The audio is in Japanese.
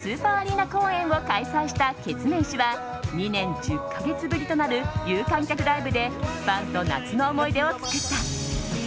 昨日デビュー２０周年記念ツアーのさいたまスーパーアリーナ公演を開催したケツメイシは２年１０か月ぶりとなる有観客ライブでファンと夏の思い出を作った。